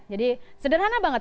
jadi sederhana banget